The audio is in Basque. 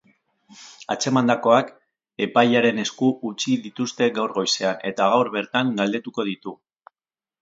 Atzemandakoak epailearen esku utzi dituzte gaur goizean, eta gaur bertan galdekatuko ditu.